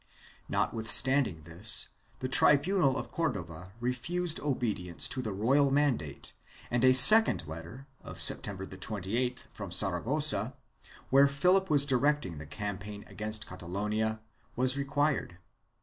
Notwithstanding this the tribunal of Cordova refused obedience to the royal mandate and a second letter, of September 28th from Saragossa, where Philip was directing the campaign against Catalonia, was required.